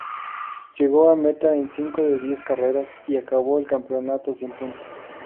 Llegó a meta en cinco de diez carreras, y acabó el campeonato sin puntos.